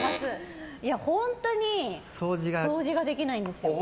本当に掃除ができないんですよ。